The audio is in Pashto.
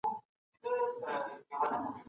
اوس مهال ټولنه د پخو او شعوري جريانونو په لټه کي ده.